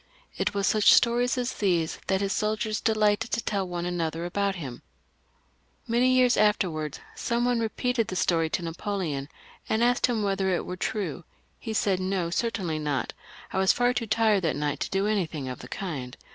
It was such stories as these that his soldiers delighted to tell one another about him. Many years afterwards some one re peated this story to Napoleon, and asked him if it were true. He said, " No, certainly not ; I was far too tired that night to do anything of the kind.